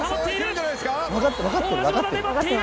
「わかってるわかってる？」